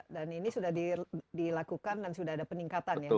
dan ini sudah dilakukan dan sudah ada peningkatan ya